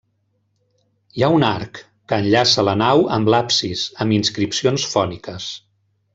Hi ha un arc, que enllaça la nau amb l'absis, amb inscripcions fòniques.